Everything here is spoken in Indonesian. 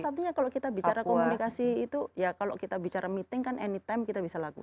satunya kalau kita bicara komunikasi itu ya kalau kita bicara meeting kan anytime kita bisa lakukan